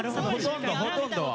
ほとんどは。